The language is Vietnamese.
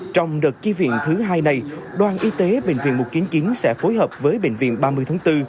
trong đợt chi viện thứ hai này đoàn y tế bệnh viện một trăm chín mươi chín sẽ phối hợp với bệnh viện ba mươi tháng bốn